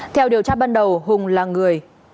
theo điều tra ban đầu hùng là người